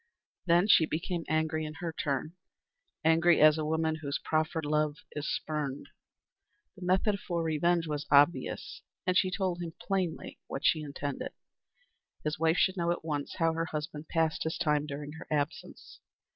Then she became angry in her turn angry as a woman whose proffered love is spurned. The method for revenge was obvious, and she told him plainly what she intended. His wife should know at once how her husband passed his time during her absence.